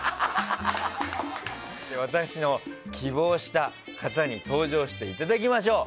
私の希望した方に登場していただきましょう。